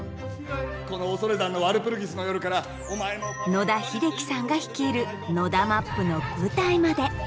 野田秀樹さんが率いるＮＯＤＡ・ＭＡＰの舞台まで。